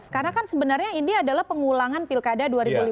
karena kan sebenarnya ini adalah pengulangan pilkada dua ribu lima belas